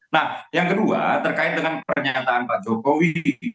nah yang kedua terkait dengan pernyataan pak jokowi